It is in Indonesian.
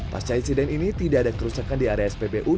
pasca insiden ini tidak ada kerusakan di area spbu